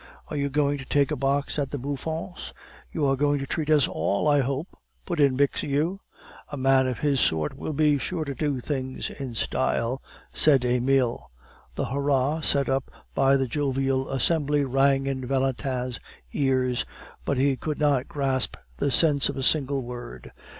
"Are you going to take a box at the Bouffons?" "You are going to treat us all, I hope?" put in Bixiou. "A man of his sort will be sure to do things in style," said Emile. The hurrah set up by the jovial assembly rang in Valentin's ears, but he could not grasp the sense of a single word.